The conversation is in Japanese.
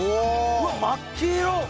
うわっ真っ黄色！